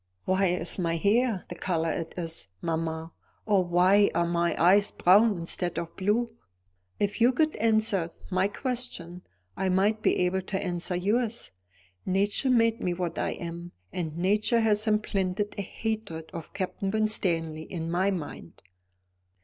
"Why is my hair the colour it is, mamma, or why are my eyes brown instead of blue? If you could answer my question, I might be able to answer yours. Nature made me what I am, and nature has implanted a hatred of Captain Winstanley in my mind."